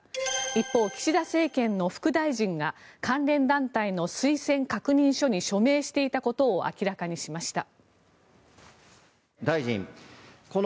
一方、岸田政権の副大臣が関連団体の推薦確認書に署名していたことを明らかにしました。